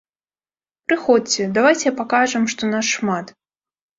Прыходзьце, давайце пакажам, што нас шмат.